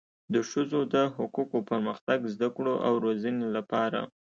د ښځو د حقوقو، پرمختګ، زده کړو او روزنې لپاره